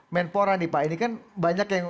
menpora ini kan banyak yang